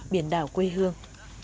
biển đảo quê hương